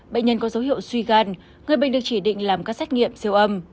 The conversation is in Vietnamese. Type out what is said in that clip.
bệnh nhân có dấu hiệu suy gan người bệnh được chỉ định làm các xét nghiệm siêu âm